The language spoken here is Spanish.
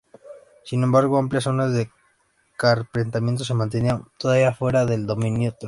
Sin embargo, amplias zonas de Carpetania se mantenían todavía fuera del dominio romano.